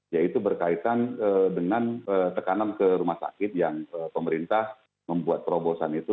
yaitu berkaitan dengan tekanan ke rumah sakit yang pemerintah membuat terobosan itu